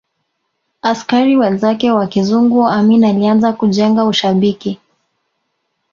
askari wenzake wa kizungu Amin alianza kujenga ushabiki